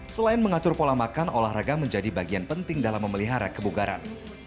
selain mengatur pola makan olahraga menjadi bagian penting dalam memelihara kebugaran